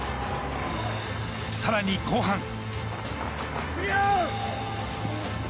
さらに後半。